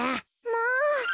まあ。